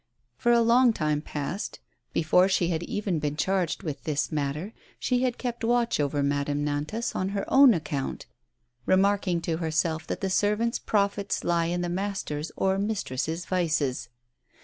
For a long time past, before she had 100 TREACHERY. even been charged with this matter, she bad kept watch over Madame Nantas on her own account, remarking to berself that the servant's profits lie in the masters' or mistresses' vices.